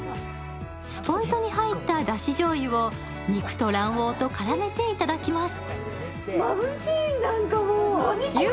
スポイトに入っただしじょうゆを肉と卵黄と絡めていただきます。